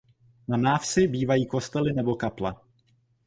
Na návsi bývají kostely nebo kaple.